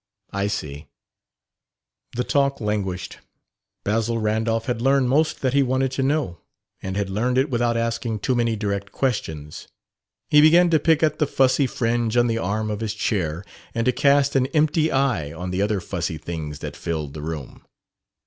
"I see." The talk languished. Basil Randolph had learned most that he wanted to know, and had learned it without asking too many direct questions. He began to pick at the fussy fringe on the arm of his chair and to cast an empty eye on the other fussy things that filled the room.